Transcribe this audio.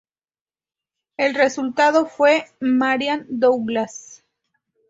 El resultado fue Marian Douglas.